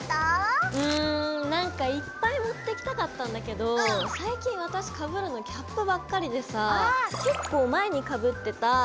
うんなんかいっぱい持ってきたかったんだけど最近私かぶるのキャップばっかりでさぁ結構前にかぶってたこれ！